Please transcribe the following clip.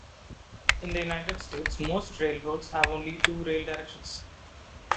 In the United States, most railroads have only two rail directions.